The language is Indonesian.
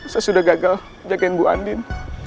saya sudah gagal jagain bu andin